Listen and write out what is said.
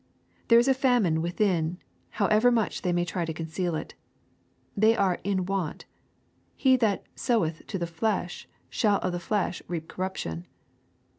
There is a famine within, however much they may try to conceal it. They are '^in want." He that "soweth to the flesh shall of the flesh reap corruption."